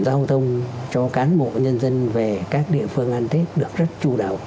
giao thông cho cán bộ nhân dân về các địa phương an tết được rất chu đạo